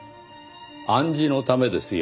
暗示のためですよ。